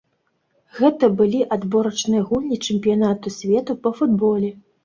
Гэта былі адборачныя гульні чэмпіянату свету па футболе.